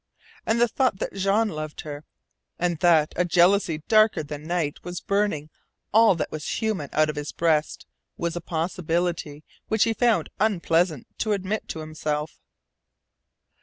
And the thought that Jean loved her, and that a jealousy darker than night was burning all that was human out of his breast, was a possibility which he found unpleasant to admit to himself.